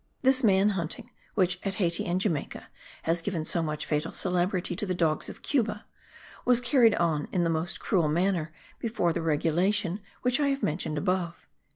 This man hunting, which, at Hayti and Jamaica, has given so much fatal celebrity to the dogs of Cuba, was carried on in the most cruel manner before the regulation which I have mentioned above.)